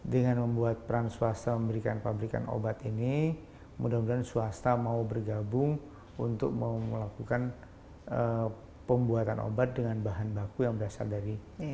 dengan membuat peran swasta memberikan pabrikan obat ini mudah mudahan swasta mau bergabung untuk melakukan pembuatan obat dengan bahan baku yang berasal dari